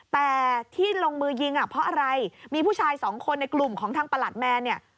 แต่ที่ลงมือยิงอ่ะเพราะอะไรมีผู้ชายสองคนในกลุ่มของทางประหลัดแมนเนี่ย